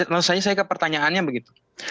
lalu saya ke pertanyaannya begitu